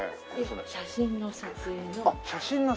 写真の撮影の。